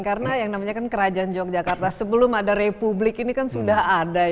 karena yang namanya kan kerajaan yogyakarta sebelum ada republik ini kan sudah ada